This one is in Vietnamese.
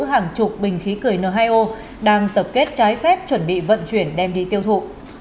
hàng chục bình khí cười n hai o đang tập kết trái phép chuẩn bị vận chuyển đem đi tiêu thụ